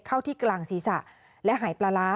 เข้าที่กลางศีรษะและหายปลาร้า